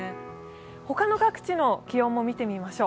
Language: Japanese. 他の各地の気温も見てみましょう。